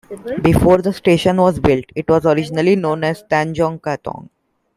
Before the station was built, it was originally known as Tanjong Katong.